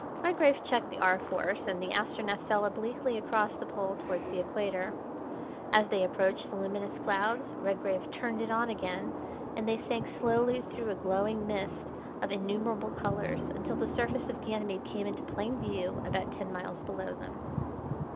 Redgrave checked the R. Force and the Astronef fell obliquely across the pole towards the equator. As they approached the luminous clouds Redgrave turned it on again, and they sank slowly through a glowing mist of innumerable colours, until the surface of Ganymede came into plain view about ten miles below them.